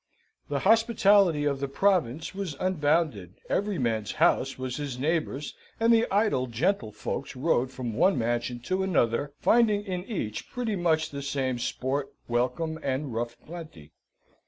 The hospitality of the province was unbounded: every man's house was his neighbour's; and the idle gentlefolks rode from one mansion to another, finding in each pretty much the same sport, welcome, and rough plenty.